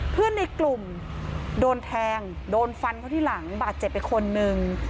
เพื่อนในกลุ่มโดนแทงโดนฟันเขาที่หลังบาดเจ็บไปคนนึง